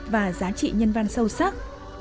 và giá trị nhân văn sâu sắc